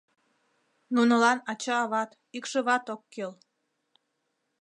Нунылан ача-ават, икшыват ок кӱл...